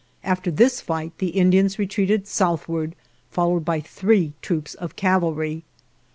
After this fight the Indians re treated southward followed by three troops of cavalry.